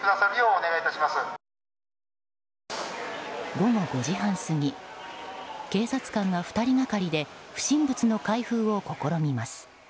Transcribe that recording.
午後５時半過ぎ警察官が２人がかりで不審物の開封を試みます。